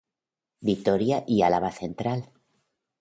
Vitoria y Álava Central.